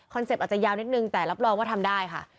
เป็ตอาจจะยาวนิดนึงแต่รับรองว่าทำได้ค่ะ